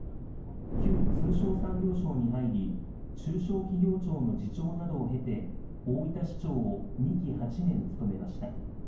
旧通商産業省に入り、中小企業庁の次長などを経て、大分市長を２期８年務めました。